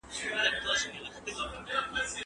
ځيني هيوادونه اقتصادي پرمختيا ته نه دي رسيدلي.